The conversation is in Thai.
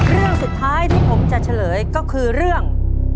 เรื่องสุดท้ายที่ผมจะเฉลยก็คือเรื่อง